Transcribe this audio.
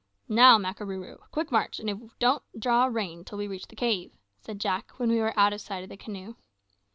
"Now, Makarooroo, quick march, and don't draw rein till we reach the cave," said Jack when we were out of sight of the canoe.